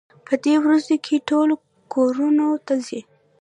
په دې ورځو کې ټول کورونو ته ځي.